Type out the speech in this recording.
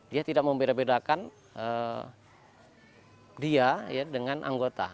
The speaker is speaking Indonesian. dia tidak membedakan dia dengan anggota